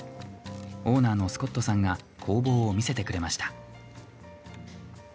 オーナーのスコットさんが工房を見せてくれました。